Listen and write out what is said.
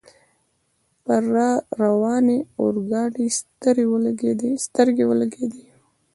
پر را روانې اورګاډي سترګې ولګېدې.